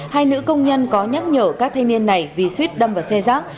hai nữ công nhân có nhắc nhở các thanh niên này vì suýt đâm vào xe rác